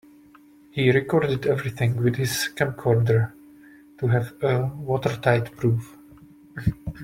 He recorded everything with his camcorder to have a watertight proof.